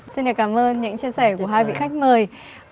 xin được cảm ơn những chia sẻ của hai vị khách mời